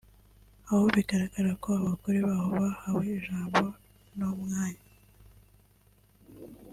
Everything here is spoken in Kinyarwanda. aho bigaragara ko abagore baho bahawe ijambo n’umwanya